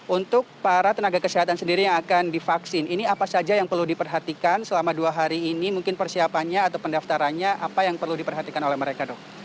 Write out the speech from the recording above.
untuk para tenaga kesehatan sendiri yang akan divaksin ini apa saja yang perlu diperhatikan selama dua hari ini mungkin persiapannya atau pendaftarannya apa yang perlu diperhatikan oleh mereka dok